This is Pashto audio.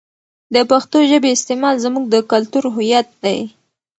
د پښتو ژبې استعمال زموږ د کلتور هویت دی.